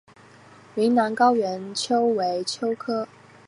云南高原鳅为鳅科高原鳅属的鱼类。